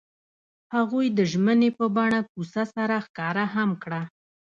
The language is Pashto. هغوی د ژمنې په بڼه کوڅه سره ښکاره هم کړه.